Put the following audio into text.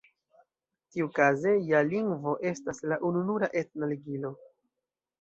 Tiukaze ja lingvo estas la ununura etna ligilo.